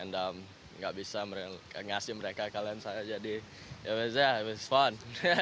dan gak bisa ngasih mereka kalahin saya jadi ya fun